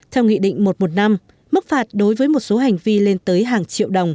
theo nghị định một trăm một mươi năm mức phạt đối với một số hành vi lên tới hàng triệu đồng